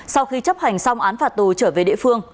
sau khi chấp hành xong án phạt tù trở về địa phương